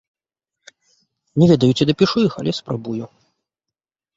Не ведаю, ці дапішу іх, але спрабую.